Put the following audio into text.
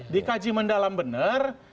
dikaji mendalam benar